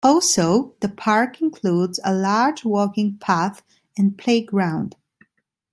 Also the park includes a large walking path and playground.